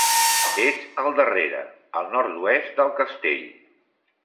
És al darrere, al nord-oest, del castell.